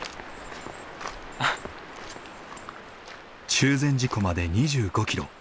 中禅寺湖まで２５キロ。